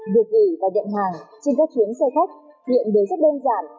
việc gửi và nhận hàng trên các chuyến xe khách hiện đều rất đơn giản